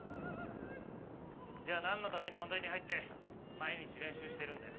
じゃあ何のために音大に入って毎日練習してるんだよ？